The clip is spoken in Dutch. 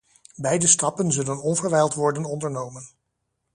Beide stappen zullen onverwijld worden ondernomen.